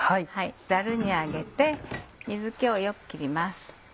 ザルに上げて水気をよく切ります。